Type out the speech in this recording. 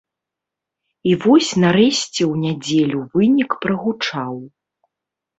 І вось нарэшце ў нядзелю вынік прагучаў.